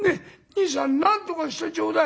兄さんなんとかしてちょうだい」。